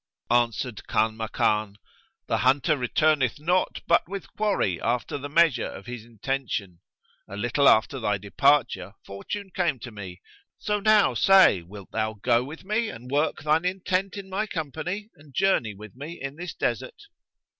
Answered Kanmakan, "The hunter returneth not but with quarry after the measure of his intention. A little after thy departure, fortune came to me: so now say, wilt thou go with me and work thine intent in my company and journey with me in this desert?"